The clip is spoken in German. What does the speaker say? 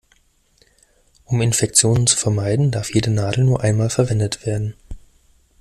Um Infektionen zu vermeiden, darf jede Nadel nur einmal verwendet werden.